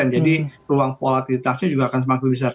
jadi ruang pola aktivitasnya juga akan semakin besar